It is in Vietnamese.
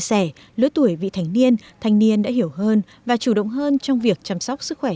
sẻ lối tuổi vị thanh niên thanh niên đã hiểu hơn và chủ động hơn trong việc chăm sóc sức khỏe